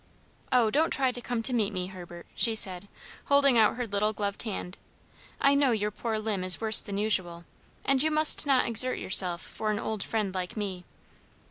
"Oh, don't try to come to meet me, Herbert," she said, holding out her little gloved hand; "I know your poor limb is worse than usual, and you, must not exert yourself for an old friend like me."